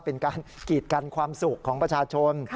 เป็นการกีดกันความสุขของประชาชน